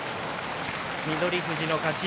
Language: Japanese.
富士の勝ち。